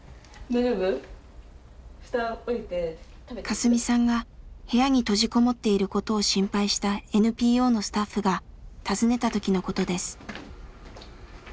カスミさんが部屋に閉じ籠もっていることを心配したＮＰＯのスタッフが訪ねた時のことです。